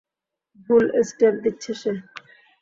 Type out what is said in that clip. ভুল স্টেপ দিচ্ছে সে।